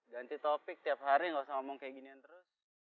ganti topik tiap hari gak usah ngomong kayak ginian terus